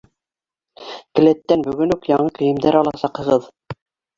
Келәттән бөгөн үк яңы кейемдәр аласаҡһығыҙ.